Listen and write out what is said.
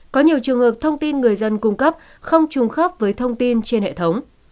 có nhiều trường hợp thông tin người dân cung cấp không trùng khớp với thông tin trên hệ thống